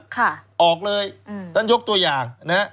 ค่ะออกเลยอือต้อนยกตัวอย่างเนี่ย